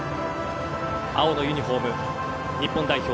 青のユニホーム、日本代表